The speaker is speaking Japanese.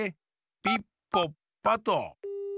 ピッポッパッと。